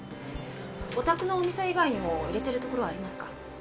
お宅のお店以外にも入れてるところはありますか？